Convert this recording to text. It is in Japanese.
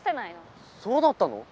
そうだったの？